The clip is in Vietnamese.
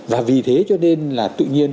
và vì thế cho nên là tự nhiên